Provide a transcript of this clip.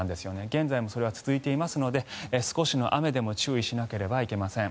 現在もそれは続いていますので少しの雨でも注意しなければいけません。